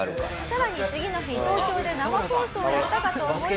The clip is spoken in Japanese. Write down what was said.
さらに次の日東京で生放送をやったかと思えば。